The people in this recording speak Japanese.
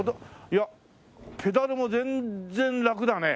いやペダルも全然楽だね。